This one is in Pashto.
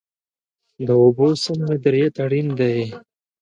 د اوبو سم مدیریت اړین دی